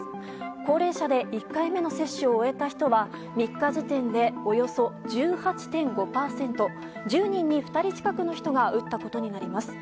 高齢者で１回目の接種を終えた人は３日時点で、およそ１８．５％１０人に２人近くの人が打ったことになります。